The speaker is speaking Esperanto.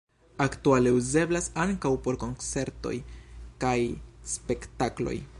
Aktuale uzeblas ankaŭ por koncertoj kaj spektakloj.